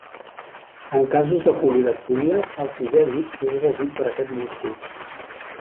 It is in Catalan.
En casos de polidactília, el sisè dit és regit per aquest múscul.